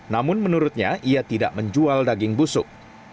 namun menurutnya ia tidak menjual daging busuk